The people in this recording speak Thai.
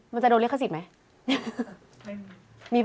มันจะโดนเรียกข้าสิทธิ์ไหม